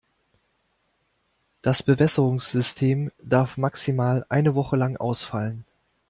Das Bewässerungssystem darf maximal eine Woche lang ausfallen.